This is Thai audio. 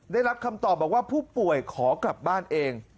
ได้รับคำตอบบอกว่าผู้ป่วยขอกลับบ้านเอง